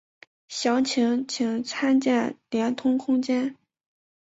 详情请参见连通空间。